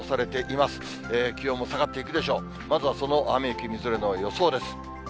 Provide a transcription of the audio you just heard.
まずはその雨、雪、みぞれの予想です。